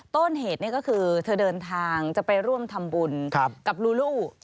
ต้นเหตุนี่ก็คือเธอเดินทางจะไปร่วมทำบุญกับลูลู